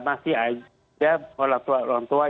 masih ada orang tua orang tua